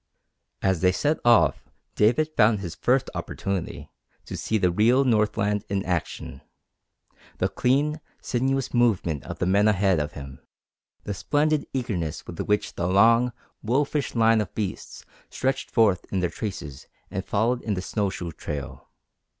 As they set off David found his first opportunity to see the real Northland in action the clean, sinuous movement of the men ahead of him, the splendid eagerness with which the long, wolfish line of beasts stretched forth in their traces and followed in the snow shoe trail.